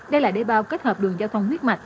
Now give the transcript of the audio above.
đây là đề bao kết hợp đường giao thông huyết mạch